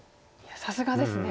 さすがですね。